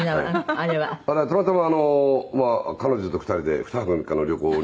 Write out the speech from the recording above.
あれはたまたま彼女と２人で２泊３日の旅行に。